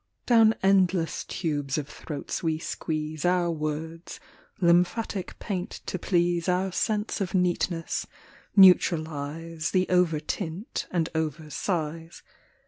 Down endless tubes of throats we squeeze Our words, lymphatic paint to please Our sense of neatness, neutralize The overtint and oversize.